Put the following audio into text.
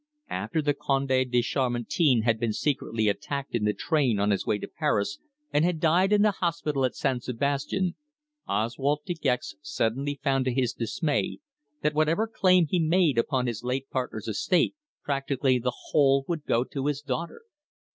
After the Conde de Chamartin had been secretly attacked in the train on his way to Paris and had died in the hospital at San Sebastian, Oswald De Gex suddenly found to his dismay that whatever claim he made upon his late partner's estate, practically the whole would go to his daughter.